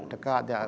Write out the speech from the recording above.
dekat ini kan